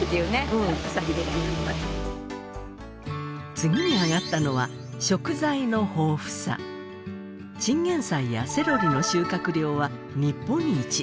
次にあがったのはチンゲンサイやセロリの収穫量は日本一。